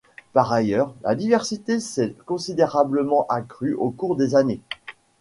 Par ailleurs, la diversité s'est considérablement accrue au cours des années.